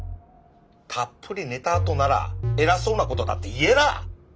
たっぷり寝たあとなら偉そうなことだって言えらあ！